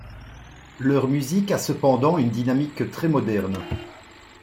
Leur musique a cependant une dynamique très moderne.